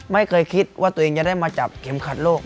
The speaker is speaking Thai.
ไม่เคยคิดว่าตัวเองจะได้มาจับเข็มขัดโลก